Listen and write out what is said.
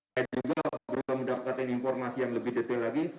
saya juga belum mendapatkan informasi yang lebih detail lagi